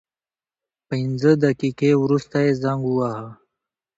پنځه دقیقې وروسته یې زنګ وواهه.